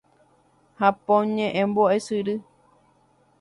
Japón ñe'ẽ mbo'esyry